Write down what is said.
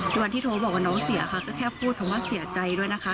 คือวันที่โทรบอกว่าน้องเสียค่ะก็แค่พูดคำว่าเสียใจด้วยนะคะ